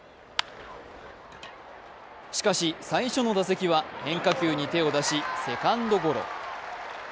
しかし最初の打席は変化球に手を出しセカンドゴロ。